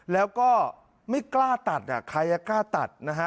แล้วก็ไม่กล้าตัดใครกล้าตัดนะฮะ